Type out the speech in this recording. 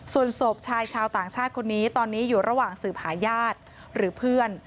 ส่วนศพชายชาวต่างชาติคนนี้ตอนนี้อยู่ระหว่างสืบหาญาติหรือเพื่อน